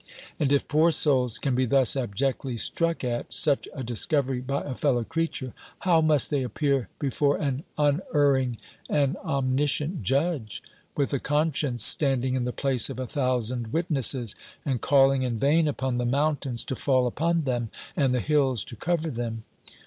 And if poor souls can be thus abjectly struck at such a discovery by a fellow creature, how must they appear before an unerring and omniscient Judge, with a conscience standing in the place of a thousand witnesses? and calling in vain upon the mountains to fall upon them, and the _hills to cover them!